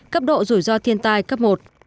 cấp độ rủi ro thiên tai cấp một